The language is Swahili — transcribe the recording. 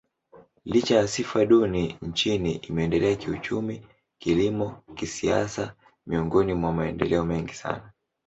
Licha ya sifa duni nchini, imeendelea kiuchumi, kilimo, kisiasa miongoni mwa maendeleo mengi sana.